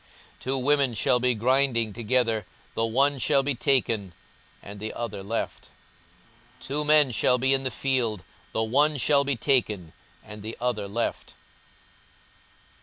42:017:035 Two women shall be grinding together; the one shall be taken, and the other left. 42:017:036 Two men shall be in the field; the one shall be taken, and the other left.